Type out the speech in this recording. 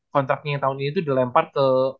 kontraknya yang tahun ini itu dilempar ke